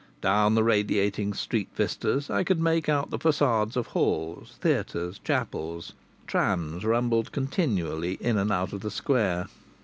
Down the radiating street vistas I could make out the façades of halls, theatres, chapels. Trams rumbled continually in and out of the square.